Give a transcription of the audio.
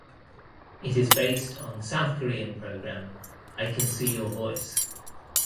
It is based on South Korean programme "I Can See Your Voice".